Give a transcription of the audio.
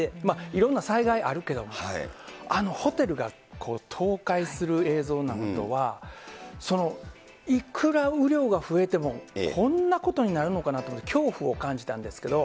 いろんな災害あるけども、あのホテルが倒壊する映像なんかは、いくら雨量が増えてもこんなことになるのかなと思って、恐怖を感じたんですけど。